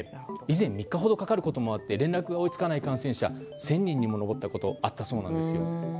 以前は３日ほどかかることもあって連絡が追いつかない感染者が１０００人に上ったこともあったそうなんです。